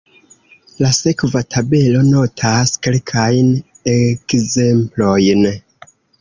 La sekva tabelo notas kelkajn ekzemplojn.